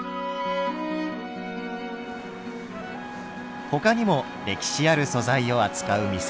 ほかにも歴史ある素材を扱う店が。